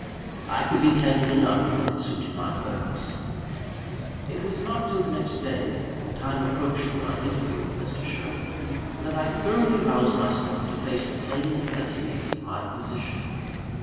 I could be candid enough when it suited my purpose! It was not till the next day, when the time approached for my interview with Mr. Sherwin, that I thoroughly roused myself to face the plain necessities of my position.